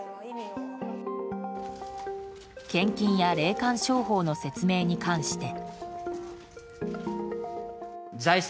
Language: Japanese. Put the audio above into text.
献金や霊感商法の説明に関して。